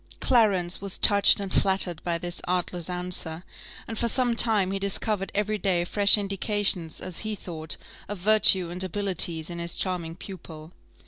Clarence was touched and flattered by this artless answer, and for some time he discovered every day fresh indications, as he thought, of virtue and abilities in his charming pupil.